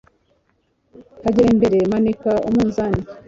hagere mbere ¨ manika umunzani